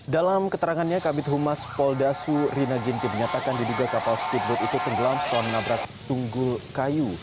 dalam keterangannya kabit humas polda surinaginti menyatakan diduga kapal speedboat itu tenggelam setelah menabrak tunggul kayu